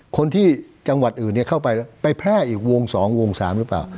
คนที่จังหวัดอื่นเข้าไปแล้วไปแพร่อีกวง๒วง๓หรือเปล่า